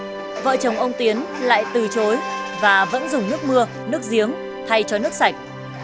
người tiêu tiến lại từ chối và vẫn dùng nước mưa nước giếng thay cho nước sạch